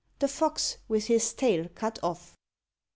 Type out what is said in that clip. THE FOX WITH HIS TAIL CUT OFF.